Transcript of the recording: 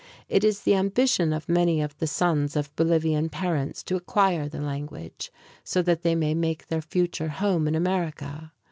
It is the ambition of many of the sons of Bolivian parents to acquire the language, so that they may make their future home in America.